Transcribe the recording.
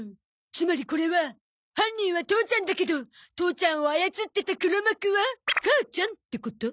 つまりこれは犯人は父ちゃんだけど父ちゃんを操ってた黒幕は母ちゃんってこと？